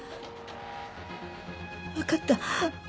わかった。